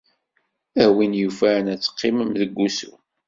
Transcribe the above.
A win yufan ad teqqimem deg wusu.